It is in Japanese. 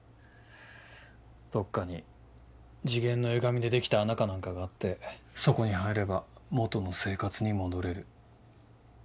どこかに次元の歪みで出来た穴か何かがあってそこに入れば元の生活に戻れる。